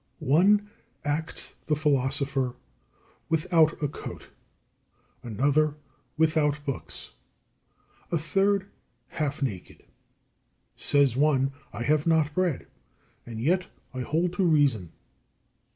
30. One acts the philosopher without a coat, another without books, a third half naked. Says one, "I have not bread, and yet I hold to reason."